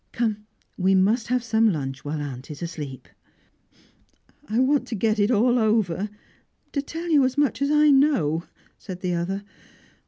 "Come, we must have some lunch whilst aunt is asleep." "I want to get it all over to tell you as much as I know," said the other.